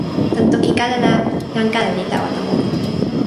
tan toki kala la, jan kala li tawa tomo ona.